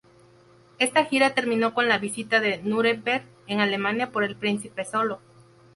Esta gira terminó con la visita de Nuremberg en Alemania por el príncipe solo.